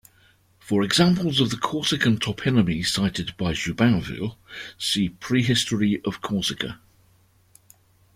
For examples of the Corsican toponymy cited by Jubainville, see Prehistory of Corsica.